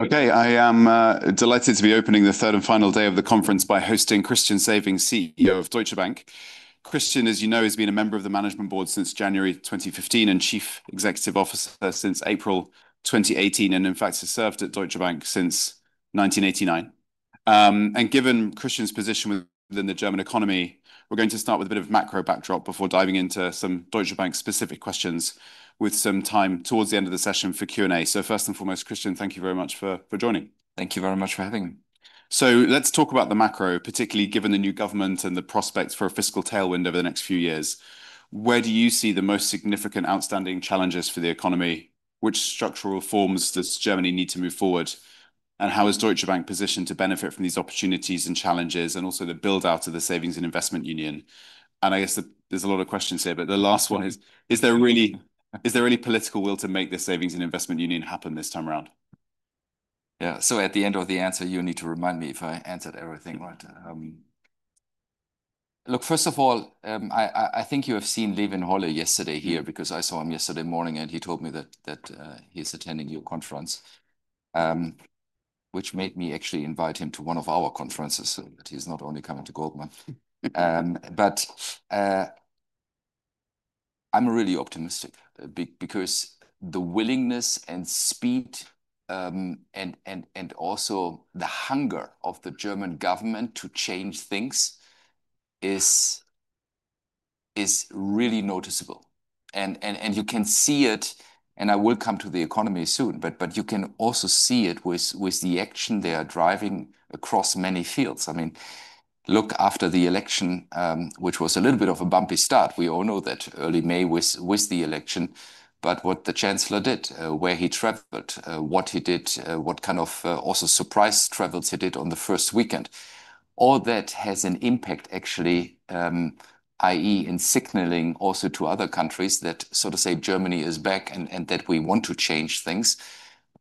Okay, I am delighted to be opening the third and final day of the conference by hosting Christian Sewing, CEO of Deutsche Bank. Christian, as you know, has been a member of the management board since January 2015 and Chief Executive Officer since April 2018, and in fact has served at Deutsche Bank since 1989. Given Christian's position within the German economy, we're going to start with a bit of macro backdrop before diving into some Deutsche Bank-specific questions with some time towards the end of the session for Q&A. First and foremost, Christian, thank you very much for joining. Thank you very much for having me. Let's talk about the macro, particularly given the new government and the prospects for a fiscal tailwind over the next few years. Where do you see the most significant outstanding challenges for the economy? Which structural reforms does Germany need to move forward? How is Deutsche Bank positioned to benefit from these opportunities and challenges, and also the build-out of the Savings and Investment Union? I guess there's a lot of questions here, but the last one is, is there really political will to make the Savings and Investment Union happen this time around? Yeah, at the end of the answer, you need to remind me if I answered everything right. Look, first of all, I think you have seen Levin Holler yesterday here because I saw him yesterday morning, and he told me that he is attending your conference, which made me actually invite him to one of our conferences so that he is not only coming to Goldman. I am really optimistic because the willingness and speed, and also the hunger of the German government to change things is really noticeable. You can see it, and I will come to the economy soon, but you can also see it with the action they are driving across many fields. I mean, look, after the election, which was a little bit of a bumpy start, we all know that early May with the election, but what the Chancellor did, where he traveled, what he did, what kind of, also surprise travels he did on the first weekend, all that has an impact actually, i.e., in signaling also to other countries that, so to say, Germany is back and that we want to change things,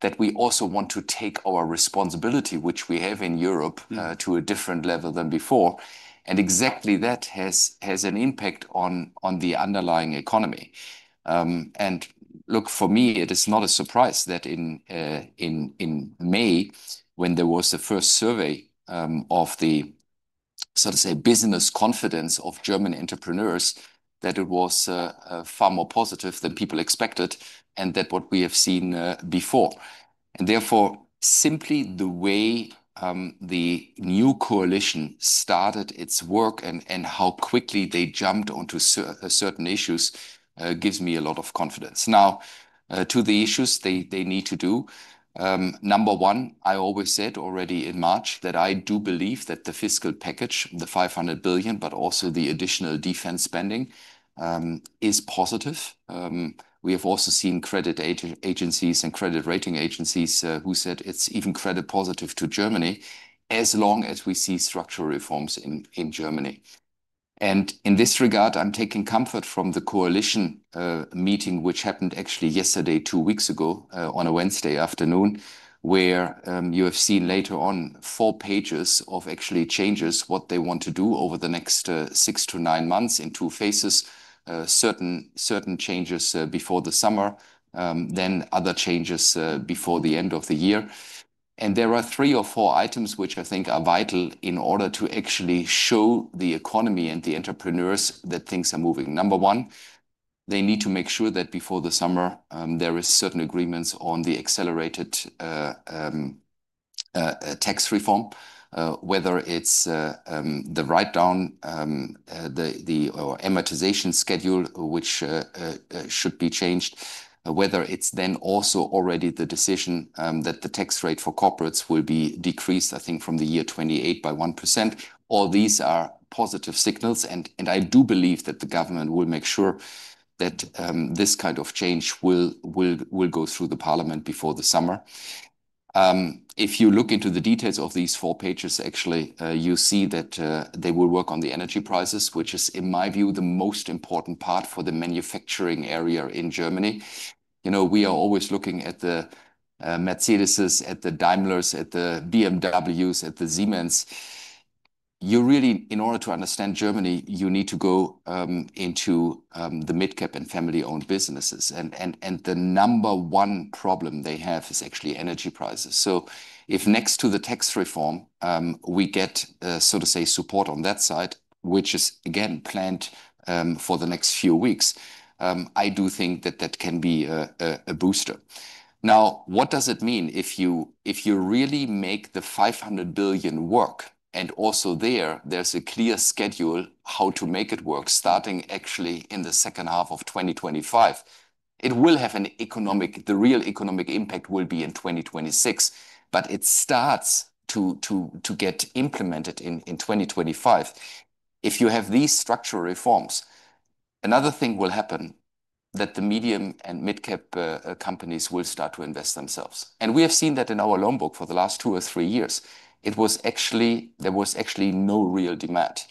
that we also want to take our responsibility, which we have in Europe, to a different level than before. Exactly that has an impact on the underlying economy. Look, for me, it is not a surprise that in May, when there was the first survey of the, so to say, business confidence of German entrepreneurs, that it was far more positive than people expected and than what we have seen before. Therefore, simply the way the new coalition started its work and how quickly they jumped onto certain issues gives me a lot of confidence. Now, to the issues they need to do, number one, I always said already in March that I do believe that the fiscal package, the 500 billion, but also the additional defense spending, is positive. We have also seen credit agencies and credit rating agencies who said it's even credit positive to Germany as long as we see structural reforms in Germany. In this regard, I'm taking comfort from the coalition meeting, which happened actually yesterday, two weeks ago, on a Wednesday afternoon, where you have seen later on four pages of changes, what they want to do over the next six to nine months in two phases, certain changes before the summer, then other changes before the end of the year. There are three or four items which I think are vital in order to actually show the economy and the entrepreneurs that things are moving. Number one, they need to make sure that before the summer, there are certain agreements on the accelerated tax reform, whether it's the write down, the amortization schedule, which should be changed, whether it's then also already the decision that the tax rate for corporates will be decreased, I think from the year 2028 by 1%. All these are positive signals. I do believe that the government will make sure that this kind of change will go through the parliament before the summer. If you look into the details of these four pages, actually, you see that they will work on the energy prices, which is, in my view, the most important part for the manufacturing area in Germany. You know, we are always looking at the Mercedes-Benz, at the Daimler, at the BMW, at the Siemens. You really, in order to understand Germany, you need to go into the midcap and family-owned businesses. The number one problem they have is actually energy prices. If next to the tax reform, we get, so to say, support on that side, which is again planned for the next few weeks, I do think that that can be a booster. Now, what does it mean if you really make the 500 billion work? And also there, there's a clear schedule how to make it work starting actually in the second half of 2025. It will have an economic, the real economic impact will be in 2026, but it starts to get implemented in 2025. If you have these structural reforms, another thing will happen that the medium and midcap companies will start to invest themselves. And we have seen that in our loan book for the last two or three years. It was actually, there was actually no real demand.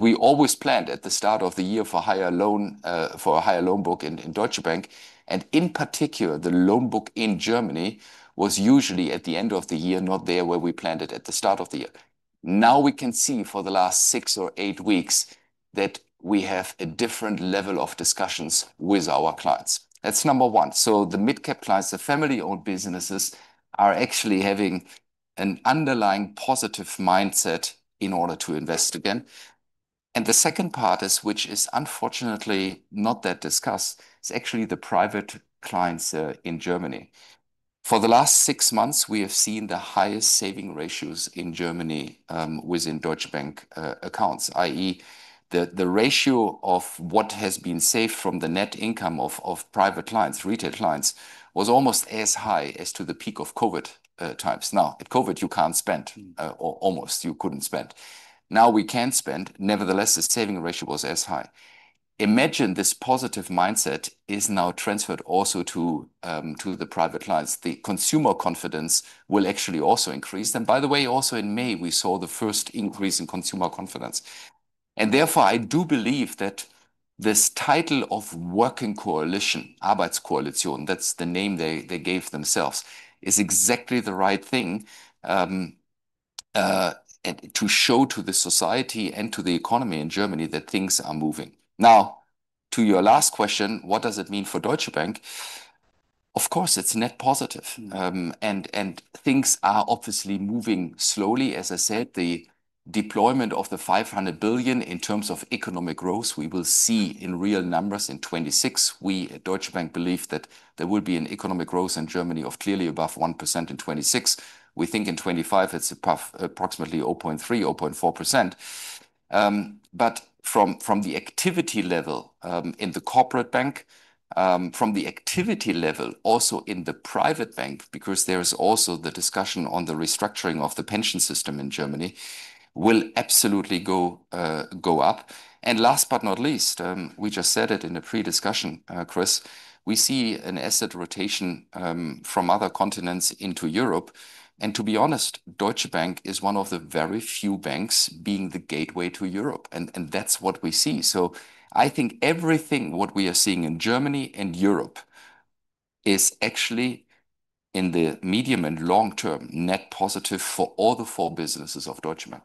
We always planned at the start of the year for a higher loan book in Deutsche Bank. In particular, the loan book in Germany was usually at the end of the year not there where we planned it at the start of the year. Now we can see for the last six or eight weeks that we have a different level of discussions with our clients. That is number one. The midcap clients, the family-owned businesses, are actually having an underlying positive mindset in order to invest again. The second part, which is unfortunately not that discussed, is actually the private clients in Germany. For the last six months, we have seen the highest saving ratios in Germany, within Deutsche Bank accounts, i.e., the ratio of what has been saved from the net income of private clients, retail clients was almost as high as to the peak of COVID times. Now at COVID, you cannot spend, or almost you could not spend. Now we can spend. Nevertheless, the saving ratio was as high. Imagine this positive mindset is now transferred also to the private clients. The consumer confidence will actually also increase. By the way, also in May, we saw the first increase in consumer confidence. Therefore, I do believe that this title of working coalition, Arbeitskoalition, that is the name they gave themselves, is exactly the right thing to show to the society and to the economy in Germany that things are moving. Now, to your last question, what does it mean for Deutsche Bank? Of course, it's net positive. Things are obviously moving slowly. As I said, the deployment of the 500 billion in terms of economic growth, we will see in real numbers in 2026. We, at Deutsche Bank, believe that there will be an economic growth in Germany of clearly above 1% in 2026. We think in 2025 it's approximately 0.3-0.4%. From the activity level in the corporate bank, from the activity level also in the private bank, because there's also the discussion on the restructuring of the pension system in Germany, it will absolutely go up. Last but not least, we just said it in a pre-discussion, Chris, we see an asset rotation from other continents into Europe. To be honest, Deutsche Bank is one of the very few banks being the gateway to Europe. And that's what we see. I think everything what we are seeing in Germany and Europe is actually in the medium and long term net positive for all the four businesses of Deutsche Bank.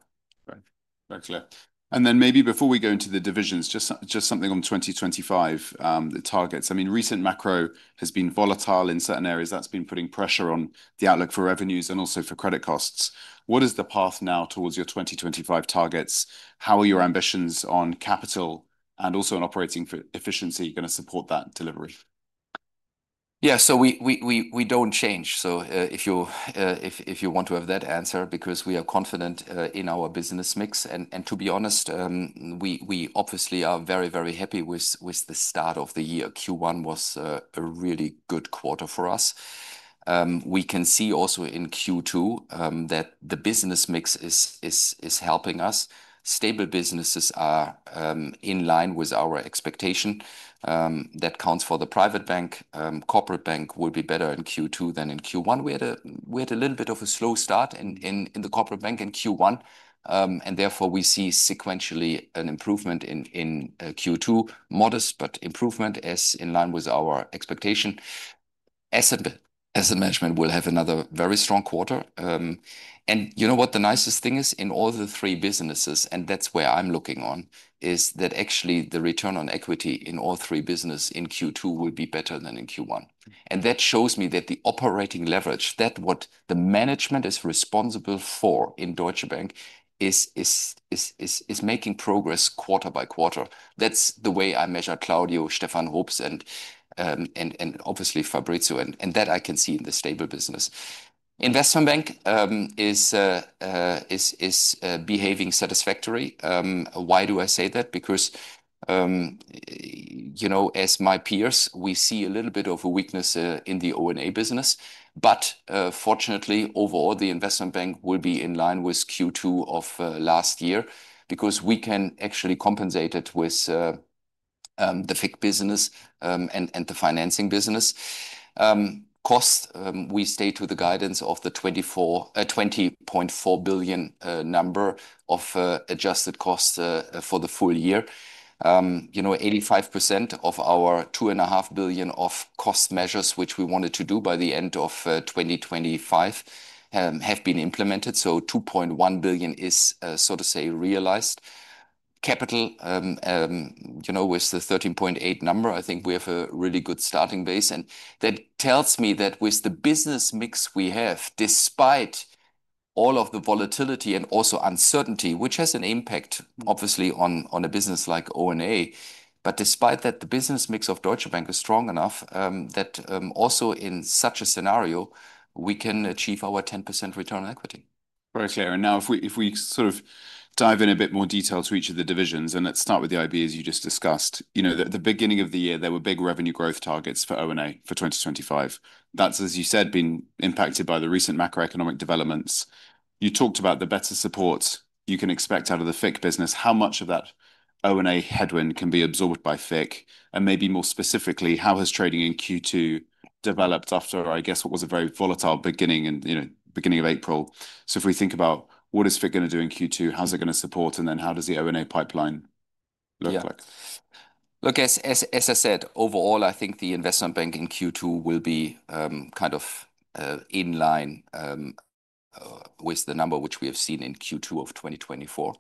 Right. Excellent. Maybe before we go into the divisions, just something on 2025, the targets. I mean, recent macro has been volatile in certain areas. That's been putting pressure on the outlook for revenues and also for credit costs. What is the path now towards your 2025 targets? How are your ambitions on capital and also on operating efficiency going to support that delivery? Yeah, we do not change. If you want to have that answer, because we are confident in our business mix. And to be honest, we obviously are very, very happy with the start of the year. Q1 was a really good quarter for us. We can see also in Q2 that the business mix is helping us. Stable businesses are in line with our expectation. That counts for the private bank. Corporate bank will be better in Q2 than in Q1. We had a little bit of a slow start in the corporate bank in Q1, and therefore we see sequentially an improvement in Q2, modest, but improvement as in line with our expectation. Asset management will have another very strong quarter. You know what the nicest thing is in all the three businesses, and that's where I'm looking on, is that actually the return on equity in all three businesses in Q2 will be better than in Q1. That shows me that the operating leverage, that what the management is responsible for in Deutsche Bank, is making progress quarter by quarter. That's the way I measure Claudio, Stefan Hoops, and obviously Fabrizio. That I can see in the stable business. Investment bank is behaving satisfactory. Why do I say that? Because, you know, as my peers, we see a little bit of a weakness in the O&A business, but fortunately overall, the investment bank will be in line with Q2 of last year because we can actually compensate it with the fixed business and the financing business. cost, we stay to the guidance of the 20.4 billion number of adjusted costs for the full year. You know, 85% of our 2.5 billion of cost measures, which we wanted to do by the end of 2025, have been implemented. So 2.1 billion is, so to say, realized capital, you know, with the 13.8 number, I think we have a really good starting base. That tells me that with the business mix we have, despite all of the volatility and also uncertainty, which has an impact obviously on a business like O&A, but despite that, the business mix of Deutsche Bank is strong enough that, also in such a scenario, we can achieve our 10% return on equity. Very clear. Now if we sort of dive in a bit more detail to each of the divisions and let's start with the ideas you just discussed, you know, at the beginning of the year, there were big revenue growth targets for O&A for 2025. That's, as you said, been impacted by the recent macroeconomic developments. You talked about the better supports you can expect out of the fixed business, how much of that O&A headwind can be absorbed by fixed. Maybe more specifically, how has trading in Q2 developed after, I guess, what was a very volatile beginning and, you know, beginning of April? If we think about what is FICC going to do in Q2, how's it going to support, and then how does the O&A pipeline look like? Yeah, look, as I said, overall, I think the investment bank in Q2 will be kind of in line with the number which we have seen in Q2 of 2024.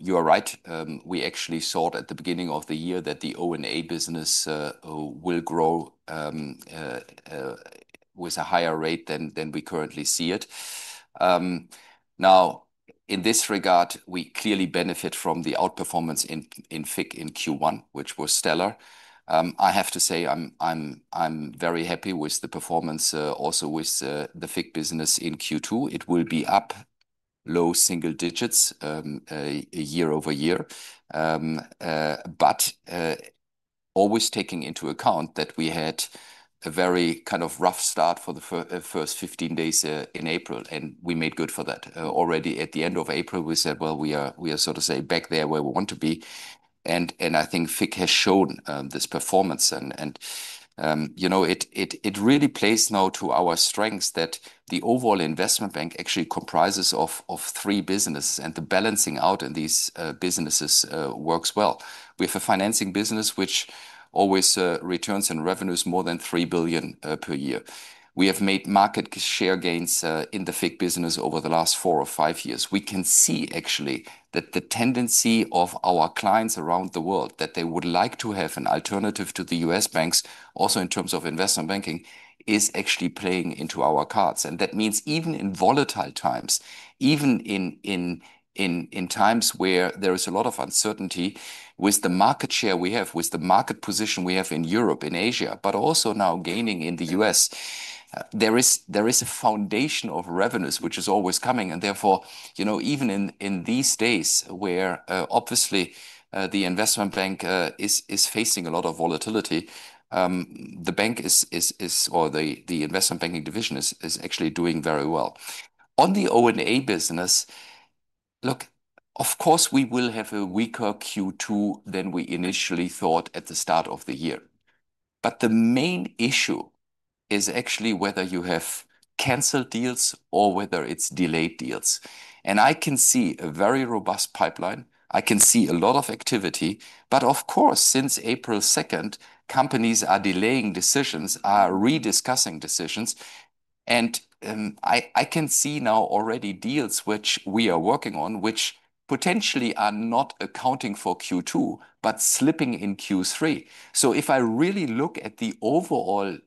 You are right. We actually saw at the beginning of the year that the O&A business will grow with a higher rate than we currently see it. Now in this regard, we clearly benefit from the outperformance in FICC in Q1, which was stellar. I have to say I'm very happy with the performance, also with the FICC business in Q2. It will be up low single digits year over year, always taking into account that we had a very kind of rough start for the first 15 days in April, and we made good for that. Already at the end of April, we said we are sort of back there where we want to be. I think FICC has shown this performance, and, you know, it really plays now to our strengths that the overall investment bank actually comprises three businesses, and the balancing out in these businesses works well. We have a financing business which always returns and revenues more than 3 billion per year. We have made market share gains in the FICC business over the last four or five years. We can see actually that the tendency of our clients around the world, that they would like to have an alternative to the US banks also in terms of investment banking, is actually playing into our cards. That means even in volatile times, even in times where there is a lot of uncertainty with the market share we have, with the market position we have in Europe, in Asia, but also now gaining in the US, there is a foundation of revenues which is always coming. Therefore, you know, even in these days where, obviously, the investment bank is facing a lot of volatility, the bank is, or the investment banking division is actually doing very well on the O&A business. Look, of course we will have a weaker Q2 than we initially thought at the start of the year. The main issue is actually whether you have canceled deals or whether it's delayed deals. I can see a very robust pipeline. I can see a lot of activity, but of course, since April 2, companies are delaying decisions, are rediscussing decisions. I can see now already deals which we are working on, which potentially are not accounting for Q2, but slipping in Q3. If I really look at the overall,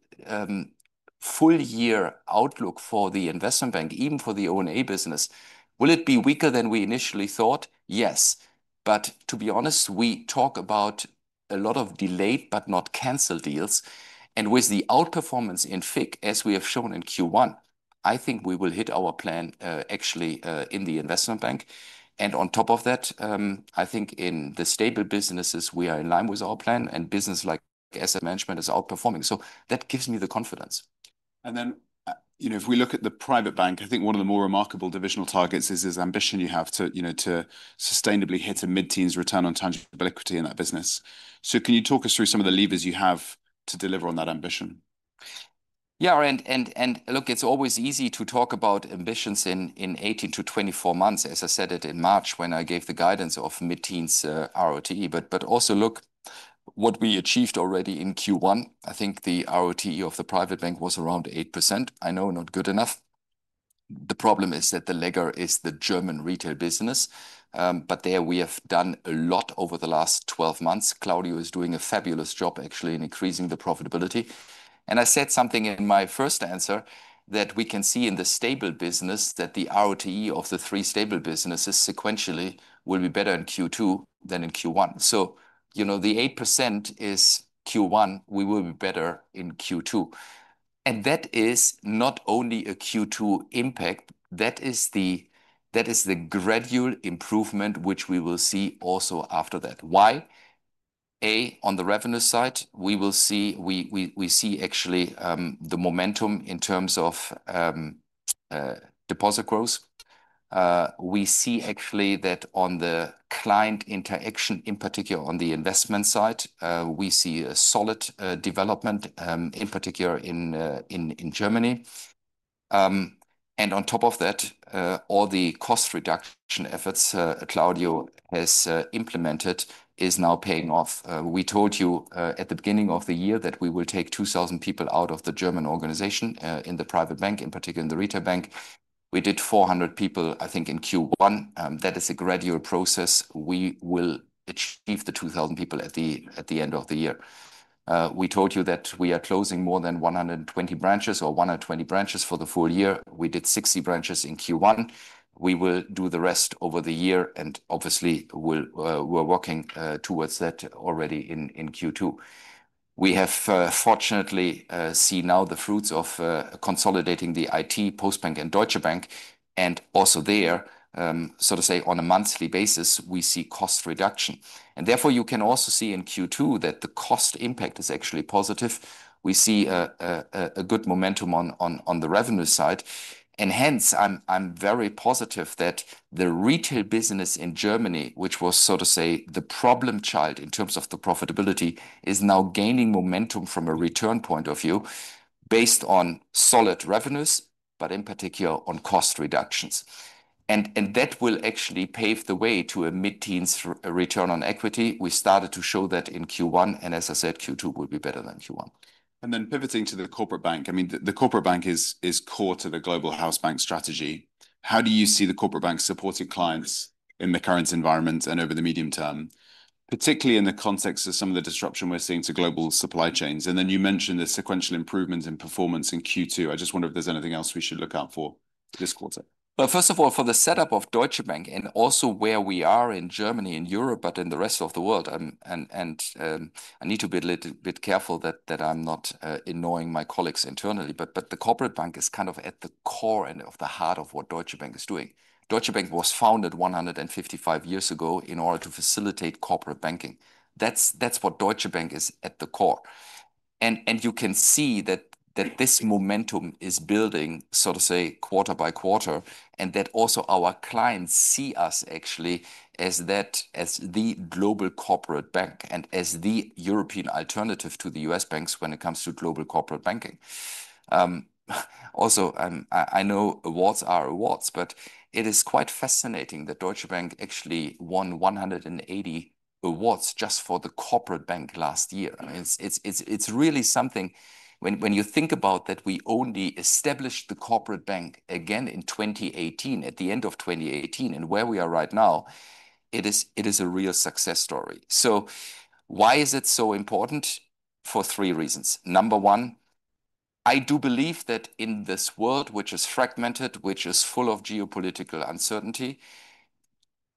full year outlook for the investment bank, even for the O&A business, will it be weaker than we initially thought? Yes. To be honest, we talk about a lot of delayed, but not canceled deals. With the outperformance in FICC, as we have shown in Q1, I think we will hit our plan, actually, in the investment bank. On top of that, I think in the stable businesses, we are in line with our plan and business like, as a management, is outperforming. That gives me the confidence. If we look at the private bank, I think one of the more remarkable divisional targets is, is ambition you have to, you know, to sustainably hit a mid-teens return on tangible equity in that business. Can you talk us through some of the levers you have to deliver on that ambition? Yeah, and look, it's always easy to talk about ambitions in 18 to 24 months, as I said it in March when I gave the guidance of mid-teens RoTE. Also, look what we achieved already in Q1. I think the RoTE of the private bank was around 8%. I know not good enough. The problem is that the legger is the German retail business, but there we have done a lot over the last 12 months. Claudio is doing a fabulous job actually in increasing the profitability. I said something in my first answer that we can see in the stable business that the RoTE of the three stable businesses sequentially will be better in Q2 than in Q1. You know, the 8% is Q1. We will be better in Q2. That is not only a Q2 impact. That is the gradual improvement which we will see also after that. Why? On the revenue side, we see actually the momentum in terms of deposit growth. We see actually that on the client interaction, in particular on the investment side, we see a solid development, in particular in Germany. On top of that, all the cost reduction efforts Claudio has implemented are now paying off. We told you at the beginning of the year that we will take 2,000 people out of the German organization, in the private bank, in particular in the retail bank. We did 400 people, I think in Q1. That is a gradual process. We will achieve the 2,000 people at the end of the year. We told you that we are closing more than 120 branches or 120 branches for the full year. We did 60 branches in Q1. We will do the rest over the year and obviously we are working towards that already in Q2. We have, fortunately, seen now the fruits of consolidating the IT Postbank and Deutsche Bank. Also there, on a monthly basis, we see cost reduction. Therefore, you can also see in Q2 that the cost impact is actually positive. We see good momentum on the revenue side. I am very positive that the retail business in Germany, which was the problem child in terms of profitability, is now gaining momentum from a return point of view based on solid revenues, but in particular on cost reductions. That will actually pave the way to a mid-teens return on equity. We started to show that in Q1 and as I said, Q2 will be better than Q1. Then pivoting to the corporate bank, I mean, the corporate bank is core to the global house bank strategy. How do you see the corporate bank supporting clients in the current environment and over the medium term, particularly in the context of some of the disruption we are seeing to global supply chains? You mentioned the sequential improvements in performance in Q2. I just wonder if there is anything else we should look out for this quarter. First of all, for the setup of Deutsche Bank and also where we are in Germany, in Europe, but in the rest of the world. I need to be a little bit careful that I'm not annoying my colleagues internally, but the corporate bank is kind of at the core and at the heart of what Deutsche Bank is doing. Deutsche Bank was founded 155 years ago in order to facilitate corporate banking. That's what Deutsche Bank is at the core. You can see that this momentum is building, sort of say, quarter by quarter and that also our clients see us actually as that, as the global corporate bank and as the European alternative to the US banks when it comes to global corporate banking. Also, I know awards are awards, but it is quite fascinating that Deutsche Bank actually won 180 awards just for the corporate bank last year. I mean, it is really something when you think about that we only established the corporate bank again in 2018 at the end of 2018 and where we are right now. It is a real success story. Why is it so important? For three reasons. Number one, I do believe that in this world, which is fragmented, which is full of geopolitical uncertainty,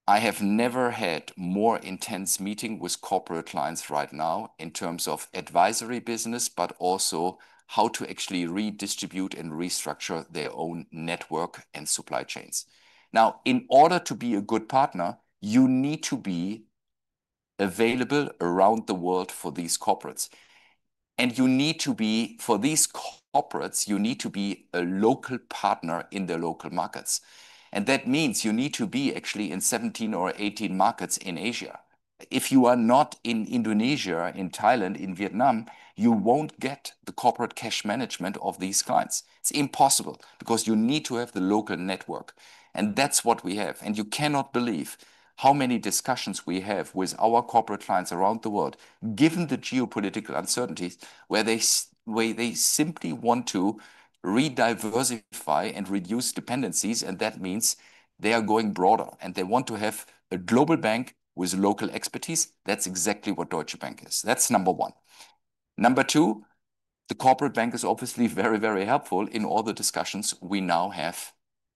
I have never had more intense meeting with corporate clients right now in terms of advisory business, but also how to actually redistribute and restructure their own network and supply chains. Now, in order to be a good partner, you need to be available around the world for these corporates. You need to be for these corporates, you need to be a local partner in the local markets. That means you need to be actually in 17 or 18 markets in Asia. If you are not in Indonesia, in Thailand, in Vietnam, you will not get the corporate cash management of these clients. It is impossible because you need to have the local network. That is what we have. You cannot believe how many discussions we have with our corporate clients around the world, given the geopolitical uncertainties where they simply want to rediversify and reduce dependencies. That means they are going broader and they want to have a global bank with local expertise. That is exactly what Deutsche Bank is. That is number one. Number two, the corporate bank is obviously very, very helpful in all the discussions we now have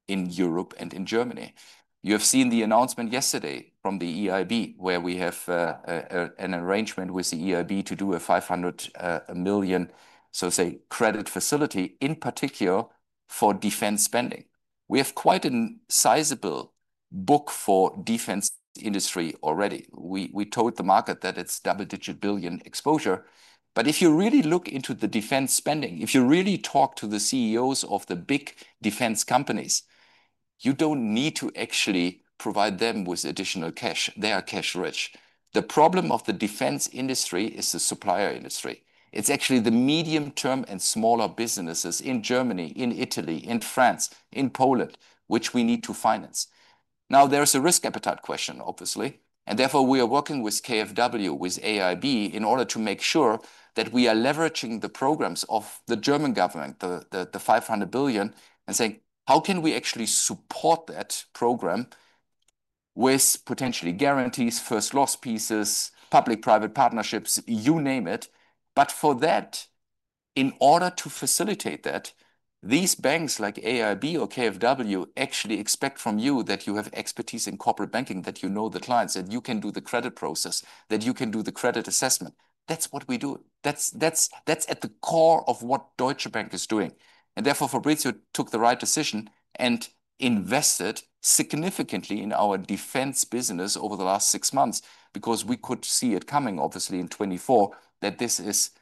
in Europe and in Germany. You have seen the announcement yesterday from the EIB where we have an arrangement with the EIB to do a 500 million, so to say, credit facility in particular for defense spending. We have quite a sizable book for defense industry already. We told the market that it's double digit billion exposure. If you really look into the defense spending, if you really talk to the CEOs of the big defense companies, you don't need to actually provide them with additional cash. They are cash rich. The problem of the defense industry is the supplier industry. It's actually the medium term and smaller businesses in Germany, in Italy, in France, in Poland, which we need to finance. Now there's a risk appetite question, obviously, and therefore we are working with KfW, with EIB in order to make sure that we are leveraging the programs of the German government, the 500 billion and saying, how can we actually support that program with potentially guarantees, first loss pieces, public private partnerships, you name it. For that, in order to facilitate that, these banks like EIB or KfW actually expect from you that you have expertise in corporate banking, that you know the clients, that you can do the credit process, that you can do the credit assessment. That's what we do. That's at the core of what Deutsche Bank is doing. Therefore, Fabrizio took the right decision and invested significantly in our defense business over the last six months because we could see it coming obviously in 2024 that this is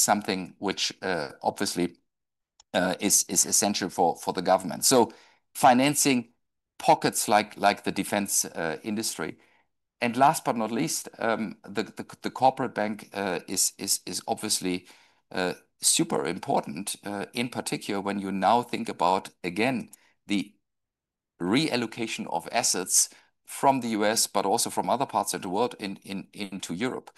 something which, obviously, is essential for the government. Financing pockets like the defense industry. Last but not least, the corporate bank is obviously super important, in particular when you now think about again, the reallocation of assets from the U.S., but also from other parts of the world into Europe.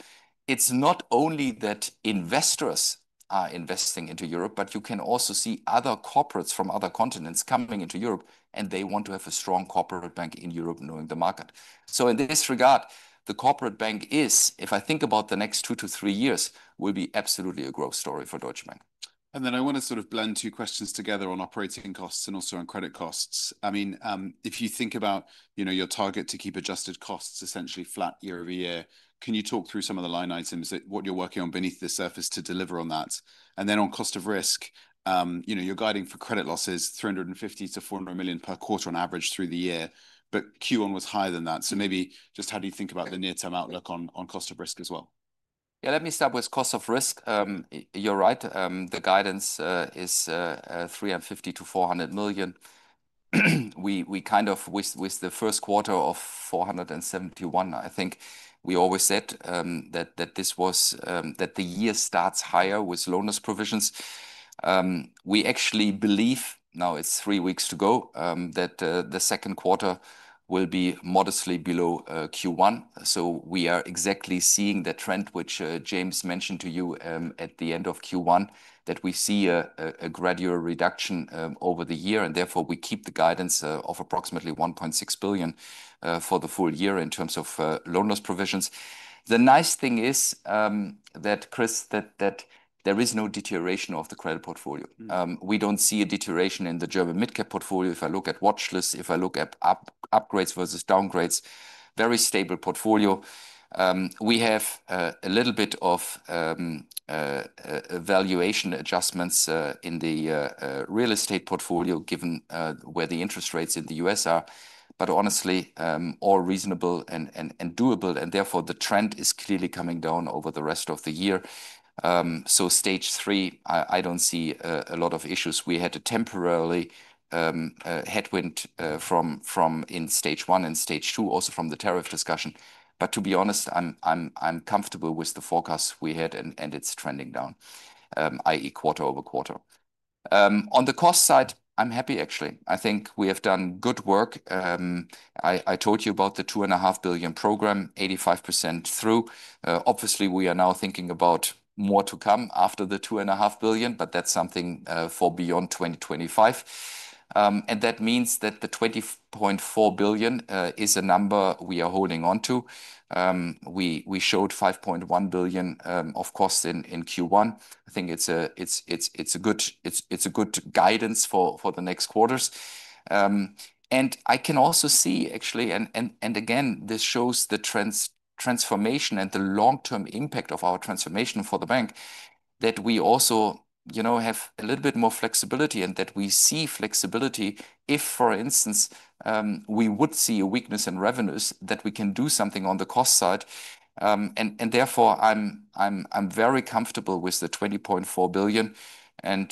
It is not only that investors are investing into Europe, but you can also see other corporates from other continents coming into Europe and they want to have a strong corporate bank in Europe knowing the market. In this regard, the corporate bank is, if I think about the next two to three years, will be absolutely a growth story for Deutsche Bank. I want to sort of blend two questions together on operating costs and also on credit costs. I mean, if you think about, you know, your target to keep adjusted costs essentially flat year over year, can you talk through some of the line items that what you're working on beneath the surface to deliver on that? I mean, on cost of risk, you know, you're guiding for credit losses, 350 million-400 million per quarter on average through the year, but Q1 was higher than that. Maybe just how do you think about the near-term outlook on, on cost of risk as well? Yeah, let me start with cost of risk. You're right. The guidance is 350 million-400 million. We kind of, with the first quarter of 471 million, I think we always said that this was, that the year starts higher with loan loss provisions. We actually believe now, with three weeks to go, that the second quarter will be modestly below Q1. We are exactly seeing the trend which James mentioned to you at the end of Q1, that we see a gradual reduction over the year and therefore we keep the guidance of approximately 1.6 billion for the full year in terms of loan loss provisions. The nice thing is, Chris, that there is no deterioration of the credit portfolio. We don't see a deterioration in the German mid-cap portfolio. If I look at watch lists, if I look at upgrades versus downgrades, very stable portfolio. We have a little bit of valuation adjustments in the real estate portfolio given where the interest rates in the U.S. are, but honestly, all reasonable and doable. Therefore, the trend is clearly coming down over the rest of the year. Stage three, I do not see a lot of issues. We had a temporary headwind in stage one and stage two also from the tariff discussion. To be honest, I am comfortable with the forecast we had and it is trending down, i.e. quarter over quarter. On the cost side, I am happy actually. I think we have done good work. I told you about the $2.5 billion program, 85% through. Obviously we are now thinking about more to come after the $2.5 billion, but that's something for beyond 2025. That means that the $20.4 billion is a number we are holding onto. We showed $5.1 billion of cost in Q1. I think it's a good guidance for the next quarters. I can also see actually, and again, this shows the transformation and the long-term impact of our transformation for the bank, that we also, you know, have a little bit more flexibility and that we see flexibility if, for instance, we would see a weakness in revenues that we can do something on the cost side. I'm very comfortable with the 20.4 billion, and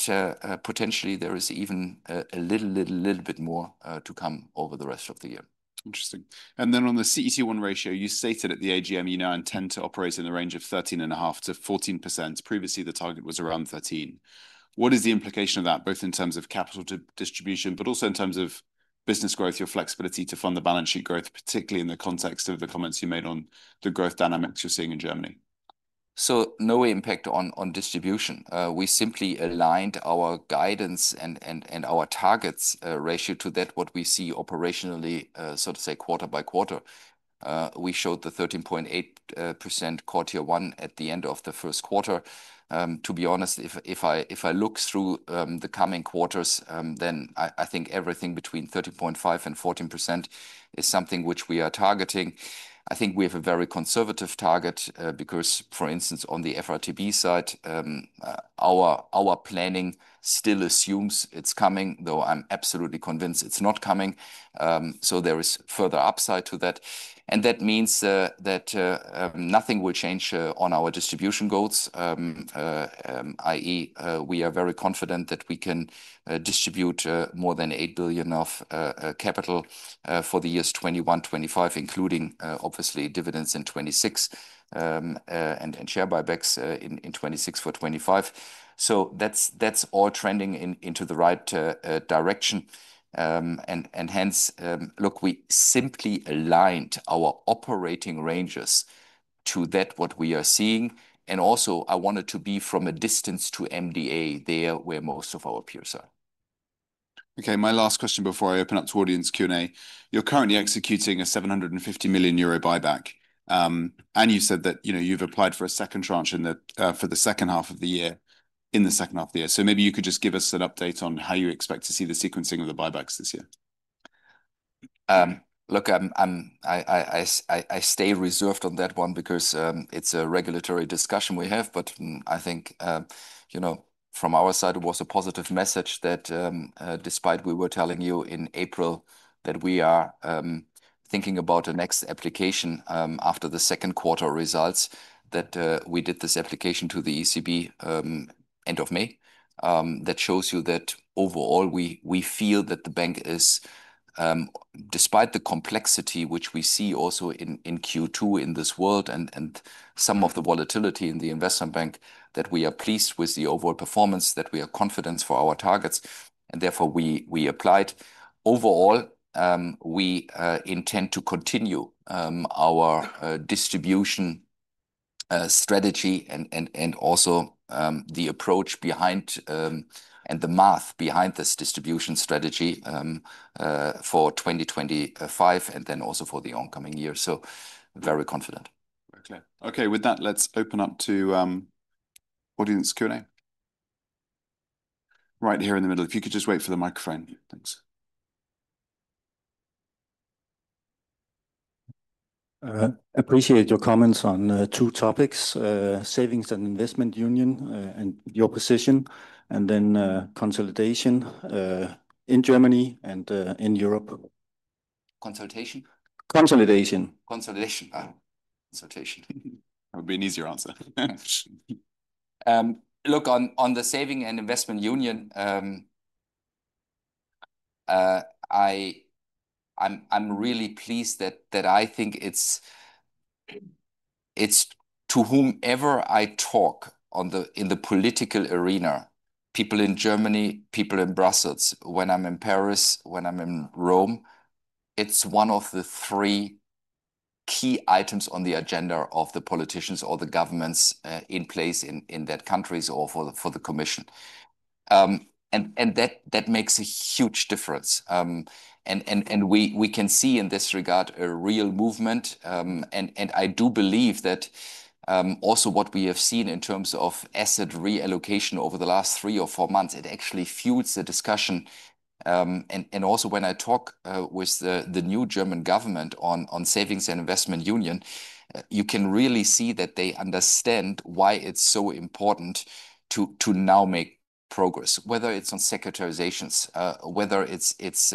potentially there is even a little bit more to come over the rest of the year. Interesting. On the CET1 ratio, you stated at the AGM, you now intend to operate in the range of 13.5-14%. Previously, the target was around 13%. What is the implication of that, both in terms of capital distribution, but also in terms of business growth, your flexibility to fund the balance sheet growth, particularly in the context of the comments you made on the growth dynamics you are seeing in Germany? No impact on distribution. We simply aligned our guidance and our targets, ratio to that, what we see operationally, quarter by quarter. We showed the 13.8% in quarter one at the end of the first quarter. To be honest, if I look through the coming quarters, then I think everything between 13.5-14% is something which we are targeting. I think we have a very conservative target, because for instance, on the FRTB side, our planning still assumes it is coming, though I am absolutely convinced it is not coming. There is further upside to that. That means nothing will change on our distribution goals. I.e., we are very confident that we can distribute more than 8 billion of capital for the years 2021-2025, including obviously dividends in 2026 and share buybacks in 2026 for 2025. That is all trending in the right direction, and hence, look, we simply aligned our operating ranges to what we are seeing. Also, I wanted to be from a distance to MDA there where most of our peers are. Okay. My last question before I open up to audience Q&A. You're currently executing a 750 million euro buyback, and you've said that, you know, you've applied for a second tranche for the second half of the year. Maybe you could just give us an update on how you expect to see the sequencing of the buybacks this year. Look, I stay reserved on that one because it's a regulatory discussion we have, but I think, you know, from our side, it was a positive message that, despite we were telling you in April that we are thinking about the next application after the second quarter results, that we did this application to the ECB end of May, that shows you that overall we feel that the bank is, despite the complexity which we see also in Q2 in this world and some of the volatility in the investment bank, that we are pleased with the overall performance, that we are confident for our targets, and therefore we applied. Overall, we intend to continue our distribution strategy and also the approach behind, and the math behind this distribution strategy, for 2025 and then also for the oncoming year. Very confident. Okay. Okay. With that, let's open up to audience Q&A right here in the middle. If you could just wait for the microphone. Thanks. Appreciate your comments on two topics, Savings and Investment Union, and your position, and then consolidation in Germany and in Europe. Consultation? Consolidation. Consolidation. Consultation. That would be an easier answer. Look, on the Saving and Investment Union, I am really pleased that I think it is, to whomever I talk in the political arena, people in Germany, people in Brussels, when I am in Paris, when I am in Rome, it is one of the three key items on the agenda of the politicians or the governments in place in those countries or for the commission. That makes a huge difference. We can see in this regard a real movement. I do believe that also what we have seen in terms of asset reallocation over the last three or four months, it actually fuels the discussion. And also when I talk with the new German government on Savings and Investment Union, you can really see that they understand why it's so important to now make progress, whether it's on securitizations, whether it's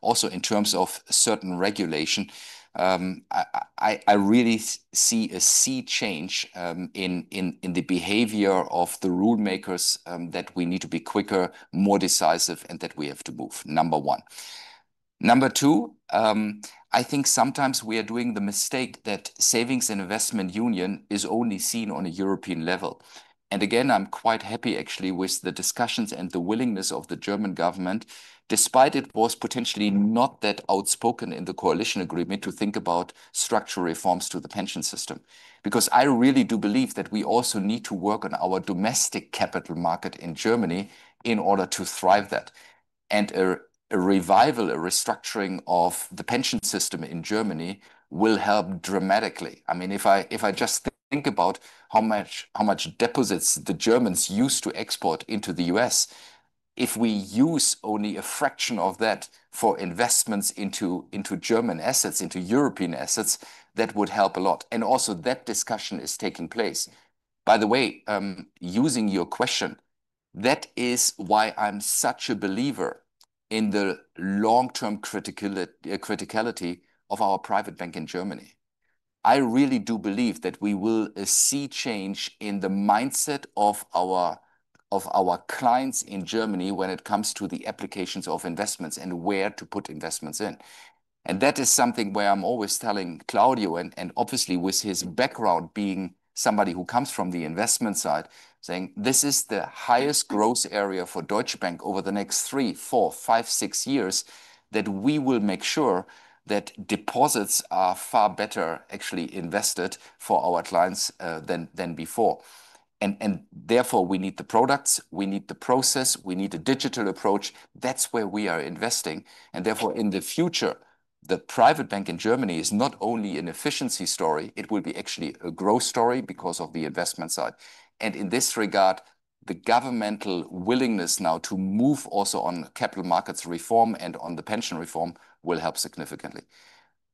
also in terms of certain regulation. I really see a sea change in the behavior of the rule makers, that we need to be quicker, more decisive, and that we have to move. Number one. Number two, I think sometimes we are doing the mistake that Savings and Investment Union is only seen on a European level. I'm quite happy actually with the discussions and the willingness of the German government, despite it was potentially not that outspoken in the coalition agreement, to think about structural reforms to the pension system, because I really do believe that we also need to work on our domestic capital market in Germany in order to thrive that. A revival, a restructuring of the pension system in Germany will help dramatically. I mean, if I just think about how much deposits the Germans used to export into the U.S., if we use only a fraction of that for investments into German assets, into European assets, that would help a lot. Also, that discussion is taking place. By the way, using your question, that is why I'm such a believer in the long-term criticality of our private bank in Germany. I really do believe that we will see change in the mindset of our clients in Germany when it comes to the applications of investments and where to put investments in. That is something where I'm always telling Claudio, and obviously with his background being somebody who comes from the investment side, saying this is the highest growth area for Deutsche Bank over the next three, four, five, six years that we will make sure that deposits are far better actually invested for our clients than before. Therefore, we need the products, we need the process, we need a digital approach. That's where we are investing. In the future, the private bank in Germany is not only an efficiency story, it will be actually a growth story because of the investment side. In this regard, the governmental willingness now to move also on capital markets reform and on the pension reform will help significantly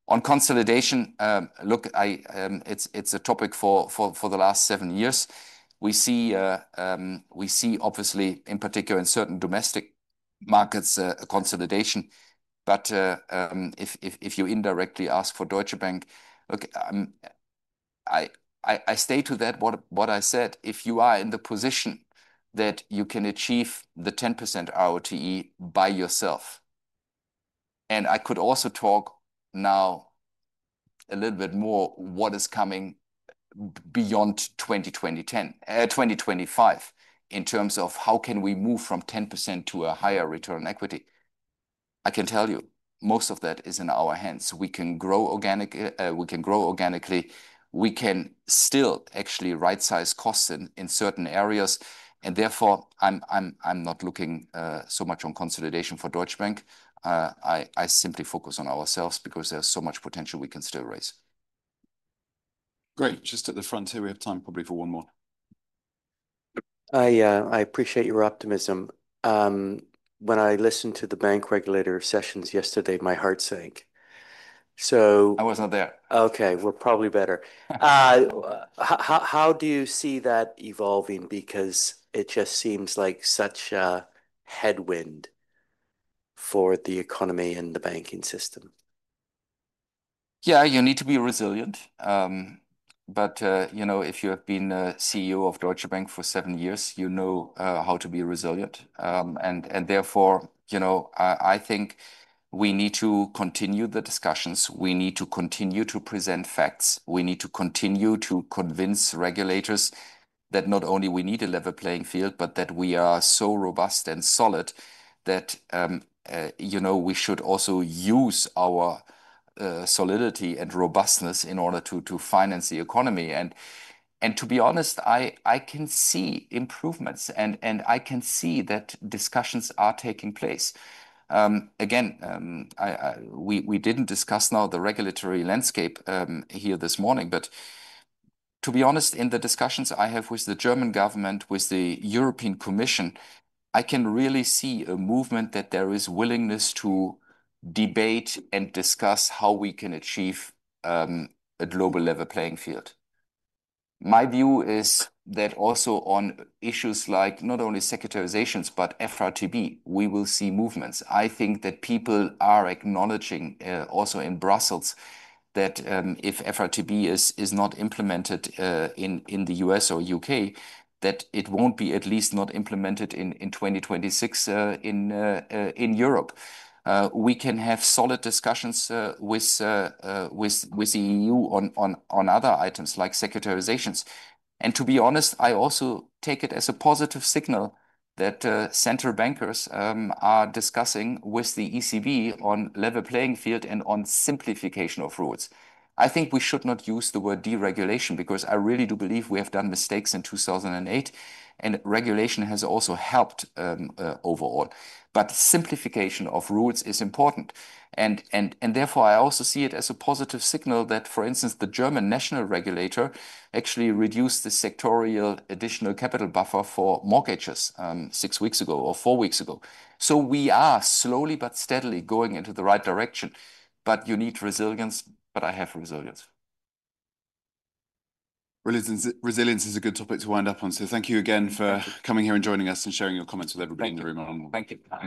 on consolidation. Look, it's a topic for the last seven years. We see, obviously in particular in certain domestic markets, a consolidation. If you indirectly ask for Deutsche Bank, look, I stay to that, what I said, if you are in the position that you can achieve the 10% RoTE by yourself. I could also talk now a little bit more what is coming beyond 2020, 2025 in terms of how can we move from 10% to a higher return on equity. I can tell you most of that is in our hands. We can grow organic, we can grow organically. We can still actually right-size costs in certain areas. I'm not looking so much on consolidation for Deutsche Bank. I simply focus on ourselves because there's so much potential we can still raise. Great. Just at the front here, we have time probably for one more. I appreciate your optimism. When I listened to the bank regulator sessions yesterday, my heart sank. I wasn't there. Okay. We're probably better. How do you see that evolving? Because it just seems like such a headwind for the economy and the banking system. Yeah, you need to be resilient. But, you know, if you have been a CEO of Deutsche Bank for seven years, you know how to be resilient. And, therefore, you know, I think we need to continue the discussions. We need to continue to present facts. We need to continue to convince regulators that not only we need a level playing field, but that we are so robust and solid that, you know, we should also use our solidity and robustness in order to finance the economy. And, to be honest, I can see improvements and I can see that discussions are taking place. Again, I, we didn't discuss the regulatory landscape here this morning, but to be honest, in the discussions I have with the German government, with the European Commission, I can really see a movement that there is willingness to debate and discuss how we can achieve a global level playing field. My view is that also on issues like not only securitizations, but FRTB, we will see movements. I think that people are acknowledging, also in Brussels, that if FRTB is not implemented in the U.S. or U.K., that it won't be, at least not implemented in 2026 in Europe. We can have solid discussions with the EU on other items like securitizations. To be honest, I also take it as a positive signal that central bankers are discussing with the ECB on level playing field and on simplification of rules. I think we should not use the word deregulation because I really do believe we have done mistakes in 2008 and regulation has also helped, overall, but simplification of rules is important. Therefore, I also see it as a positive signal that, for instance, the German national regulator actually reduced the sectorial additional capital buffer for mortgages six weeks ago or four weeks ago. We are slowly but steadily going into the right direction, but you need resilience, but I have resilience. Resilience is a good topic to wind up on. Thank you again for coming here and joining us and sharing your comments with everybody in the room. Thank you.